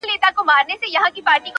هغه مړ سو اوس يې ښخ كړلو